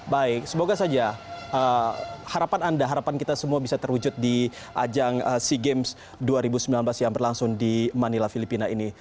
baik semoga saja harapan anda harapan kita semua bisa terwujud di ajang sea games dua ribu sembilan belas yang berlangsung di manila filipina ini